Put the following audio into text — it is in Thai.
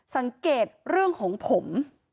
สังเกตเรื่องของผม